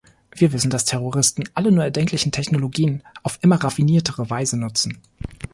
Wir wissen, dass Terroristen alle nur erdenklichen Technologien auf immer raffiniertere Weise nutzen.